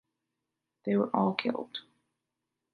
They were all killed.